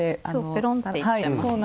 ペロンっていっちゃいますもんね。